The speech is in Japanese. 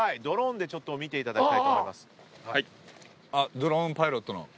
ドローンパイロットの？